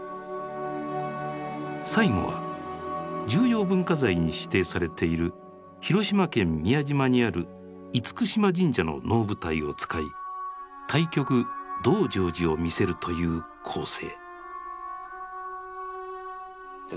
最後は重要文化財に指定されている広島県宮島にある厳島神社の能舞台を使い大曲「道成寺」を見せるという構成。